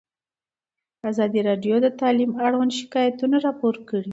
ازادي راډیو د تعلیم اړوند شکایتونه راپور کړي.